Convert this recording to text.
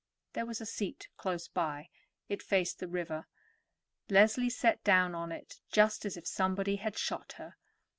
There was a seat close by; it faced the river. Leslie sat down on it just as if somebody had shot her.